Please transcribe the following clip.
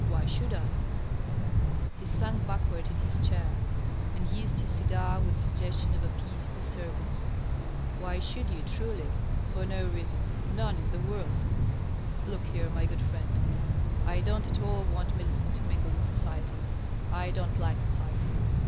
« Why should I ?" He sank backward in his chair, and used his cigar with a sugges tion of appeased disturbance. "Why should you, truly? For no reason, none in the world. .. Look here, my good friend, I don^t at all want Millicent to mingle in society. I don't like society.